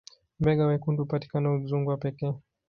mbega wekundu hupatikana udzungwa pekee